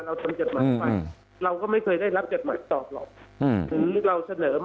เราจะบ้งจิดหมายเราก็ไม่เคยได้รับจิดหมายตอบเหรอถือเราเสนอ